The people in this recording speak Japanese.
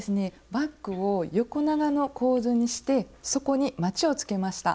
バッグを横長の構図にして底にまちをつけました。